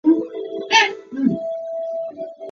白马薹草为莎草科薹草属下的一个种。